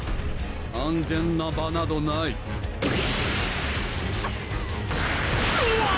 安全な場などないうわっ！